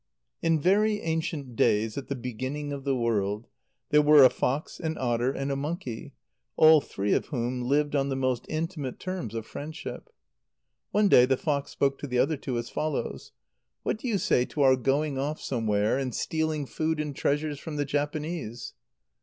_ In very ancient days, at the beginning of the world, there were a fox, an otter, and a monkey, all three of whom lived on the most intimate terms of friendship. One day the fox spoke to the other two as follows: "What do you say to our going off somewhere, and stealing food and treasures from the Japanese?"